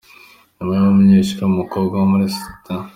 Nyuma y’aho umunyeshuri w’umukobwa wo muri St.